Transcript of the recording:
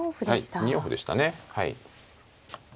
はい２四歩でしたね。